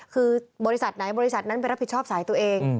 คือบริษัทไหนบริษัทนั้นไปรับผิดชอบสายตัวเอง